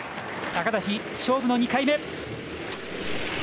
高梨、勝負の２回目。